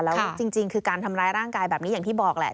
แล้วจริงคือการทำร้ายร่างกายแบบนี้อย่างที่บอกแหละ